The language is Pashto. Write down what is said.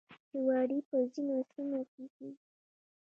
جواری په ځینو سیمو کې کیږي.